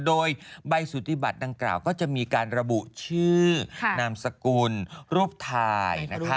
โดยใบสุทธิบัติดังกล่าวก็จะมีการระบุชื่อนามสกุลรูปถ่ายนะคะ